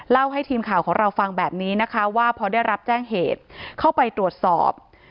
ให้ทีมข่าวของเราฟังแบบนี้นะคะว่าพอได้รับแจ้งเหตุเข้าไปตรวจสอบ